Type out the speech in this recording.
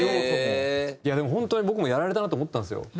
いやでも本当に僕もやられたなって思ったんですよ。